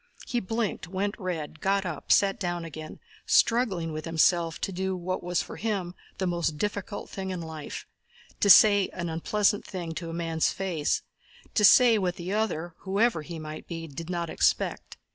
He blinked, went red, got up and sat down again, struggling with himself to do what was for him the most difficult thing in life—to say an unpleasant thing to a man's face, to say what the other, whoever he might be, did not expect.